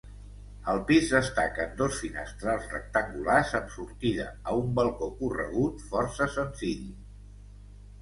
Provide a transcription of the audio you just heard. Al pis destaquen dos finestrals rectangulars amb sortida a un balcó corregut força senzill.